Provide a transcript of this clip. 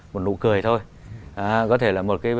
một nụ cười thôi có thể là một cái